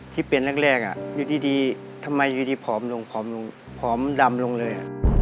ที่เป็นแรกอยู่ดีทำไมอยู่ดีผอมลงผอมลงผอมดำลงเลย